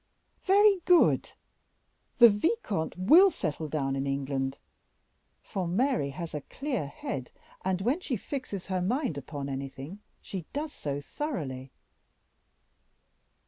"Very good! the vicomte will settle down in England, for Mary has a clear head, and when she fixes her mind upon anything, she does so thoroughly."